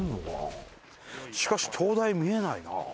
しかし灯台見えないな。